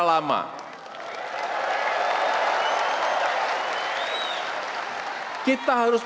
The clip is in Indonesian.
telah mencari solusi